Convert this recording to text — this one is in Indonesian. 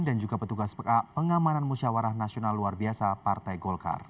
dan juga petugas pekak pengamanan musyawarah nasional luar biasa partai golkar